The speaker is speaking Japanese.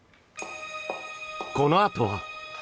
このあとは。